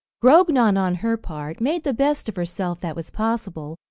Grognon, on her part, made the best of herself that was possible.